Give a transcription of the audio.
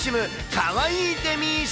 かわいいデミー賞。